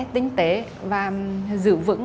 tinh tế và giữ vững